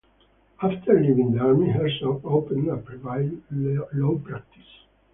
After leaving the army, Herzog opened a private law practice.